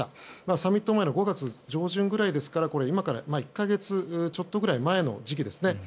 サミット前の５月上旬くらいですから今から１か月ちょっとくらい前の時期ですね。